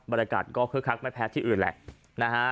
บริการก็คลักไม่แพ้ที่อื่นแหละนะฮะ